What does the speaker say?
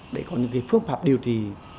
để có những phước phạm điều trị